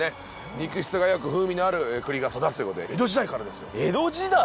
肉質がよく風味のある栗が育つということで江戸時代からですよ江戸時代！？